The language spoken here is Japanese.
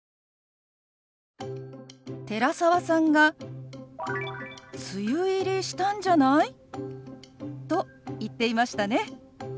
寺澤さんが「梅雨入りしたんじゃない？」と言っていましたね。